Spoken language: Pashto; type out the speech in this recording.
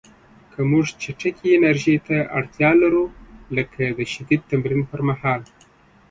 که موږ چټکې انرژۍ ته اړتیا لرو، لکه د شدید تمرین پر مهال